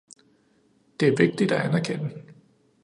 Det er vigtigt at anerkende.